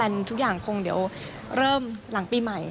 ทุกอย่างคงเดี๋ยวเริ่มหลังปีใหม่